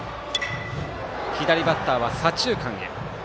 左バッターは左中間へ。